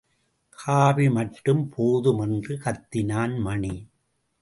Coffee மட்டும் போதும் என்று கத்தினான் மணி.